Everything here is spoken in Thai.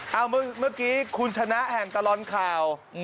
เอาเมื่อกี้คุณชนะแห่งตลอดข่าว